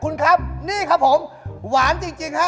นี่ครับผมหวานจริงฮะ